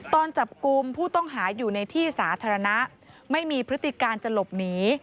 ตอนจับกลุ่มผู้ต้องหาอยู่ในที่สาธารณะไม่มีพฤติการจะหลบหนี